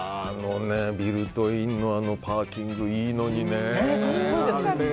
ビルトインのパーキングいいのにね。